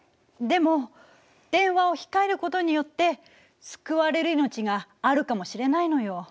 でも電話を控えることによって救われる命があるかもしれないのよ。